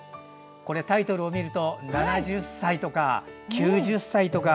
タイトルを見ると７０歳とか、９０歳とか。